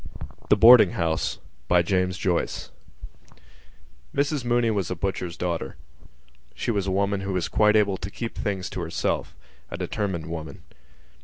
THE BOARDING HOUSE Mrs Mooney was a butcher's daughter. She was a woman who was quite able to keep things to herself: a determined woman.